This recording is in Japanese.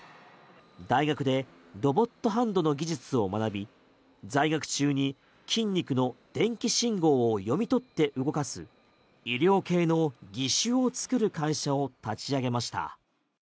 大学でロボットハンドの技術を学び在学中に筋肉の電気信号を読み取って動かす医療系の義手を作る会社を立ち上げました。